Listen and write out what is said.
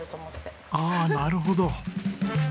ああなるほど。